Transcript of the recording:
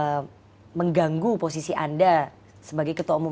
karena dulu pak erick dikabarkan mengganggu posisi anda sebagai ketua umum pkb